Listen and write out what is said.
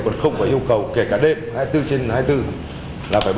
còn không phải yêu cầu kể cả đêm hai mươi bốn trên hai mươi bốn